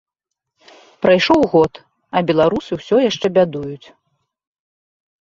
Прайшоў год, а беларусы ўсё яшчэ бядуюць.